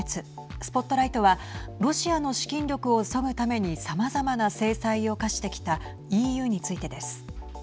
ＳＰＯＴＬＩＧＨＴはロシアの資金力をそぐためにさまざまな制裁を科してきたＥＵについてです。